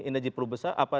indeji perlu besar